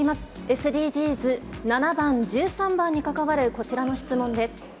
ＳＤＧｓ、７番、１３番に関わる、こちらの質問です。